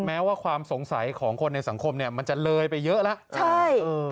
แม้ว่าความสงสัยของคนในสังคมเนี่ยมันจะเลยไปเยอะแล้วใช่เออ